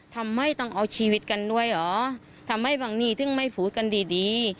ทำไมต้องเอาชีวิตกันด้วยเหรอทำไมบางนี่ถึงไม่พูดกันดีดี